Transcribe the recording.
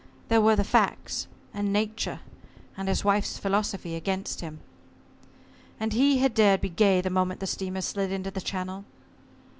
There were the facts, and Nature, and his wife's philosophy against him. And he had dared be gay the moment the steamer slid into the channel!